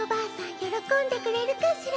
喜んでくれるかしら